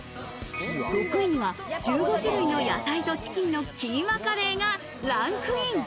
６位には１５種類の野菜とチキンのキーマカレーがランクイン。